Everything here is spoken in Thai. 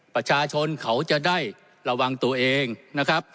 ประชาชนเขาจะได้ระวังตัวเองนะครับ